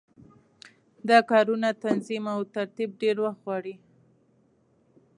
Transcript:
دا کارونه تنظیم او ترتیب ډېر وخت غواړي.